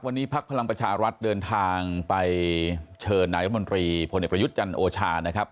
วันนี้พักพลังประชารัฐเดินทางไปเชิญนายรัฐมนตรีพลเอกประยุทธ์จันทร์โอชานะครับ